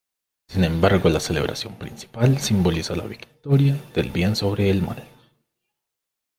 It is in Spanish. Sin embargo la celebración principal simboliza la victoria del bien sobre el mal.